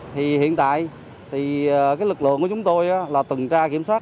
thì hiện tại thì cái lực lượng của chúng tôi là tuần tra kiểm soát